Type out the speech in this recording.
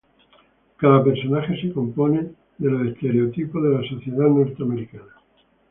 Cada personaje se compone de los estereotipos de la sociedad norteamericana.